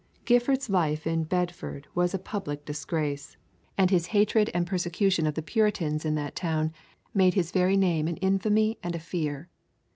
Gifford's life in Bedford was a public disgrace, and his hatred and persecution of the Puritans in that town made his very name an infamy and a fear.